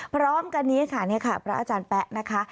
พร้อมกันนี้ค่ะนี่ค่ะพระอาจารย์แป๊ะนะคะ